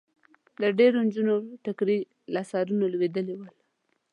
د ډېریو نجونو ټیکري له سرونو خوېدلي ول.